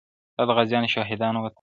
دا د غازیانو شهیدانو وطن!.